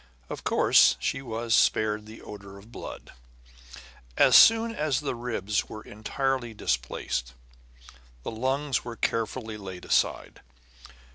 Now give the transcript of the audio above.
Of course she was spared the odor of blood. As soon as the ribs were entirely displaced, the lungs were carefully laid aside.